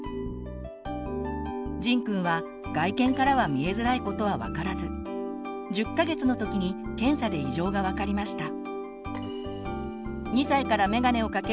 じんくんは外見からは見えづらいことはわからず１０か月のときに検査で異常がわかりました。